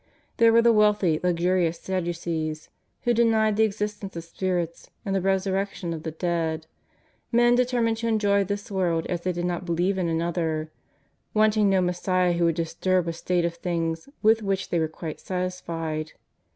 There were the wealthy, luxurious Sadducees who denied the existence of spirits and the resurrection of the dead, men determined to enjoy this world as they did not believe in another, wanting no Messiah who would disturb a state of things wdth which they were quite satisfied.